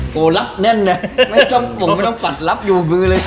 โกรัพย์แน่นแหละไม่ต้องปวดลับอยู่